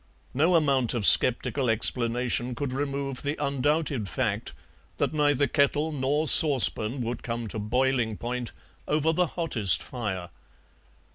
No amount of sceptical explanation could remove the undoubted fact that neither kettle nor saucepan would come to boiling point over the hottest fire.